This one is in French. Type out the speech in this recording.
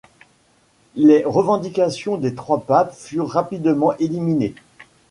Les revendications des trois papes furent rapidement éliminées.